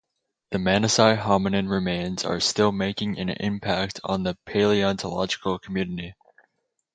The Dmanisi hominin remains are still making an impact on the paleontological community.